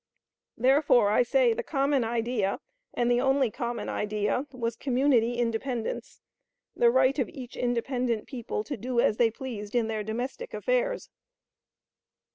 Therefore, I say the common idea, and the only common idea, was community independence the right of each independent people to do as they pleased in their domestic affairs.